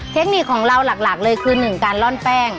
เทคนิคของเราหลักเลยคือ๑การล่อนแป้ง